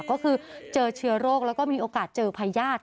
ก็คือเจอเชื้อโรคแล้วก็มีโอกาสเจอพญาติ